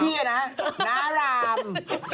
นี่นะน้าราม